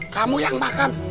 kamu yang makan